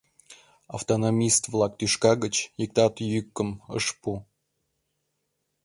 Автономист-влак тӱшка гыч иктат йӱкым ыш пу.